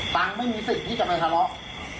ตังค์ไม่มีสิทธิ์ที่จะไปทะเลาะ